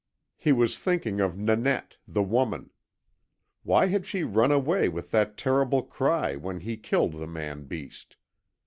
He was thinking of Nanette, the woman. Why had she run away with that terrible cry when he killed the man beast?